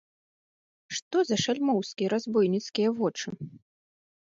Што за шальмоўскія, разбойніцкія вочы!